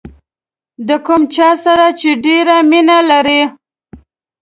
د کوم چا سره چې ډېره مینه لرئ.